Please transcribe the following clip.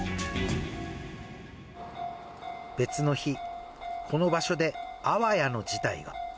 別の日、この場所であわやの事態が。